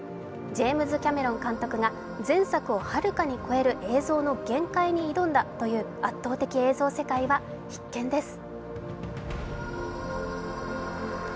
ジェームズ・キャメロン監督が前作をはるかに超える映像の限界に挑んだという圧倒的映像世界は必見です。